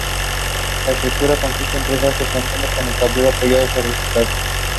La estructura consiste en tres arcos gemelos con el tablero apoyado sobre pilastras.